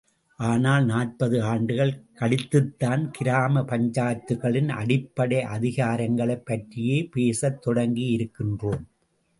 ஆனால் நாற்பது ஆண்டுகள் கழித்துத்தான் கிராம பஞ்சாயத்துக்களின் அடிப்படை அதிகாரங்களைப் பற்றியே பேசத் தொடங்கியிருக்கின்றோம்.